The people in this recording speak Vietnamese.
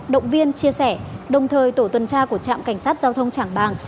động viên chia sẻ đồng thời tổ tuần tra của trạm cảnh sát giao thông trảng bàng